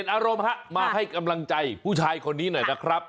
อารมณ์ฮะมาให้กำลังใจผู้ชายคนนี้หน่อยนะครับ